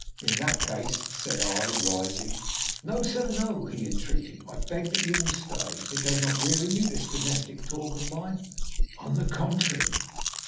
"In that case " said I, rising. "No, sir, no," he entreated, "I beg that you will stay. It does not weary you, this domestic talk of mine?" "On the contrary."